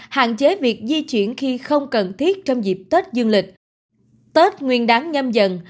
hạn chế việc di chuyển khi không cần thiết trong dịp tết dương lịch tết nguyên đáng nhâm dần